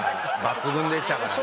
抜群でしたからね。